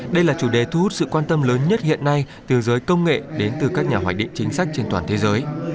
đây là chủ đề thu hút sự quan tâm lớn nhất hiện nay từ giới công nghệ đến từ các nhà hoạch định chính sách trên toàn thế giới